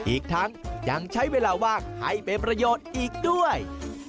อีกทั้งยังใช้เวลาว่างให้เป็นประโยชน์อีกด้วย